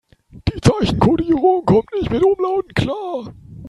Die Zeichenkodierung kommt nicht mit Umlauten klar.